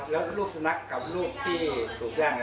แล้วรูปสนับกับรูปที่ถูกย่าง